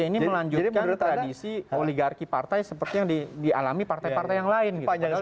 ini melanjutkan tradisi oligarki partai seperti yang dialami partai partai yang lain